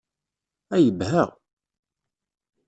A yebha!